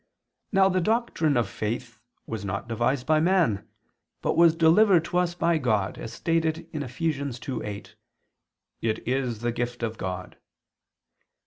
Now the doctrine of faith was not devised by man, but was delivered to us by God, as stated in Eph. 2:8: "It is the gift of God."